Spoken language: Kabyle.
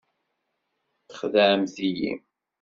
Txedɛemt-iyi.